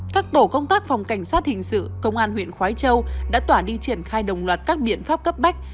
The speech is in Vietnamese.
các tổ công tác phòng cảnh sát hình sự công an huyện khói châu đã tỏa đi triển khai đồng loạt các biện pháp cấp bách